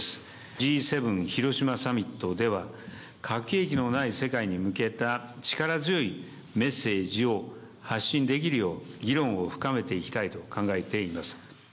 Ｇ７広島サミットでは、核兵器のない世界に向けた力強いメッセージを発信できるよう、議論を深めていきたいと考えています。